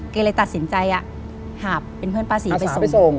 แกเลยตัดสินใจอ่ะหาบเป็นเพื่อนป้าศรีไปส่งอาสาไปส่ง